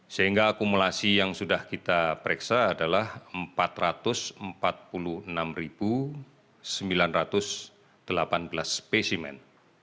sehingga akumulasi yang sudah kita periksa adalah empat ratus empat puluh enam sembilan ratus delapan belas spesimen